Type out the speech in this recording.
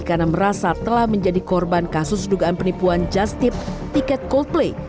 karena merasa telah menjadi korban kasus dugaan penipuan just tip tiket coldplay